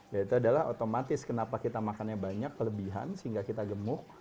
yaitu adalah otomatis kenapa kita makannya banyak kelebihan sehingga kita gemuk